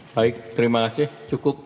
baik terima kasih cukup